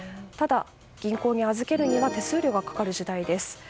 ただ、銀行に預けるには手数料がかかる時代です。